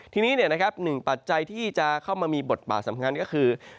ทีนี้หนึ่งปัจจัยที่จะเข้ามามีบทบาทสำคัญก็คือ